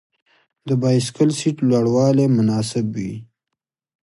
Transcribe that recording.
د بایسکل سیټ لوړوالی مناسب وي.